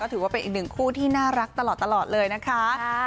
ถือว่าเป็นอีกหนึ่งคู่ที่น่ารักตลอดเลยนะคะ